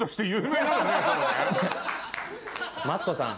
マツコさん。